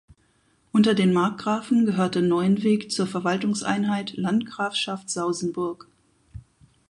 Unter den Markgrafen gehörte Neuenweg zur Verwaltungseinheit "Landgrafschaft Sausenburg".